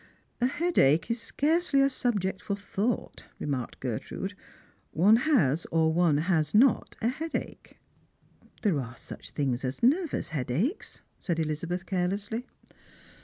" A headache is scarcely a subject for thought," remarked Gertrude ;" one has or one has not a headache." " There are such things as nervous headaches," said EUzabeth carelessly.